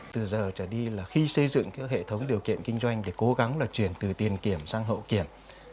từ giờ trở đi là khi xây dựng các hệ thống điều kiện kinh doanh thì cố gắng là chuyển từ tiền kiểm sang hậu kiểm